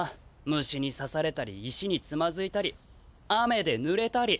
虫にさされたり石につまずいたり雨でぬれたり。